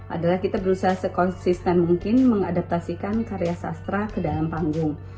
adalah kita berusaha sekonsisten mungkin mengadaptasikan karya sastra ke dalam panggung